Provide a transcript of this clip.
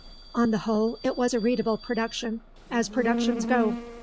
On the whole it was a readable production, as productions go.